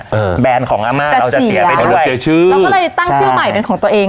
แบรนด์ของอาม่าเราจะเสียไปในรถเสียชื่อเราก็เลยตั้งชื่อใหม่เป็นของตัวเอง